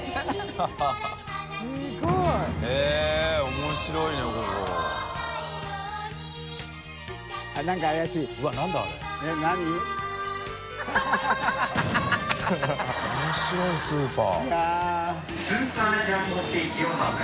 面白いスーパー。